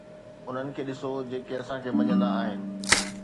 انهن کي ڏسو جيڪي اسان کي مڃيندا آهن